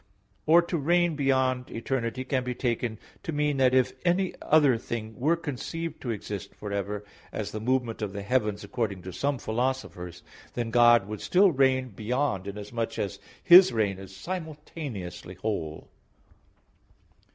Or to reign beyond eternity can be taken to mean that if any other thing were conceived to exist for ever, as the movement of the heavens according to some philosophers, then God would still reign beyond, inasmuch as His reign is simultaneously whole.